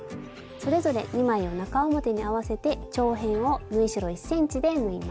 それぞれ２枚を中表に合わせて長辺を縫い代１ｃｍで縫います。